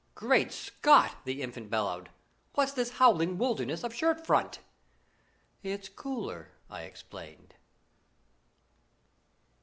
"Great Scot!" the Infant bellowed. "What's this howling wilderness of shirt front?" "It's cooler," I explained.